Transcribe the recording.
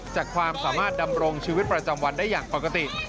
จากความสามารถดำรงชีวิตประจำวันได้อย่างปกติ